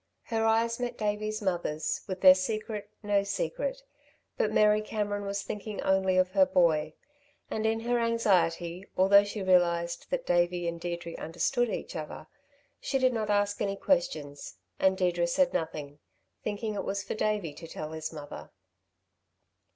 Her eyes met Davey's mother's with their secret no secret; but Mary Cameron was thinking only of her boy, and in her anxiety, although she realised that Davey and Deirdre understood each other, she did not ask any questions, and Deirdre said nothing, thinking it was for Davey to tell his mother.